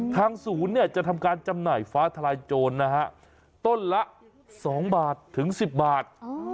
ทางศูนย์จะทำการจำหน่ายฟ้าทลายโจรนะฮะต้นละ๒บาทถึง๑๐บาท